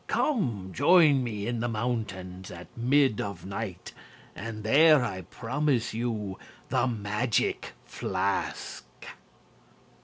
Come join me in the mountains At mid of night And there I promise you the Magic Flask_.